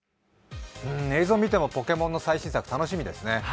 映像を見てもポケモンの最新作、楽しみですね。